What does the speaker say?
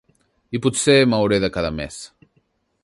I potser m'hauré de quedar més.